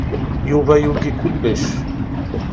Yuba yugi kullec.